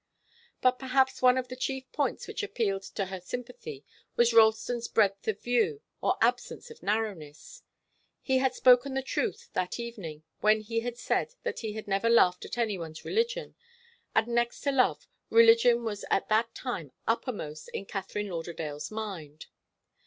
But perhaps one of the chief points which appealed to her sympathy was Ralston's breadth of view, or absence of narrowness. He had spoken the strict truth that evening when he had said that he never laughed at any one's religion, and, next to love, religion was at that time uppermost in Katharine Lauderdale's mind.